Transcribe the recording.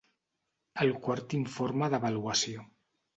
El Quart Informe d'Avaluació.